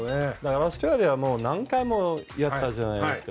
オーストラリアも何回もやったじゃないですか。